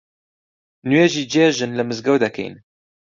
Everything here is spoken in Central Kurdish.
نوێژی جێژن لە مزگەوت ئەکەین